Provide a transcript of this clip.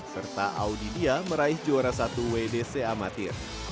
serta audidia meraih juara satu wdc amatir